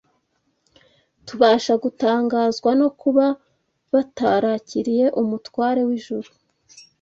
Tubasha gutangazwa no kuba batarakiriye umutware w’ijuru